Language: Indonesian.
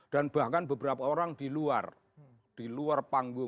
dan bahkan beberapa orang di luar